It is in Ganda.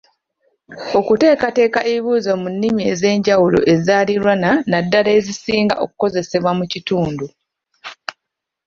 Okuteekateeka ebibuuzo mu nnimi ez'enjawulo enzaaliranwa naddala ezo ezisinga okukozesebwa mu kitundu.